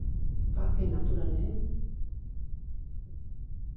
Parke Naturalean ehunka poni larretzen dira.